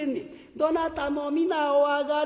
「どなたも皆おあがり」。